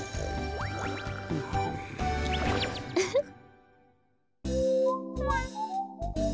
ウフッ。